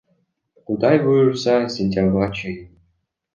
Кудай буйруса, сентябрга чейин.